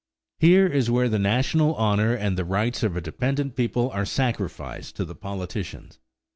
Here is where national honor and the rights of a dependent people are sacrificed to the politicians.